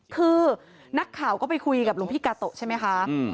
คือนักข่าวก็ไปคุยกับหลวงพี่กาโตะใช่ไหมคะ